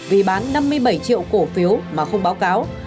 vì bán năm mươi bảy triệu cổ phiếu mà không báo cáo